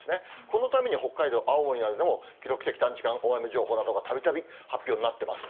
このために北海道、青森などでも、記録的短時間大雨情報なんかもたびたび発表になってます。